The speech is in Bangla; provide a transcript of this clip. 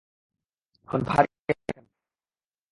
এখন ভাগ এখান থেকে।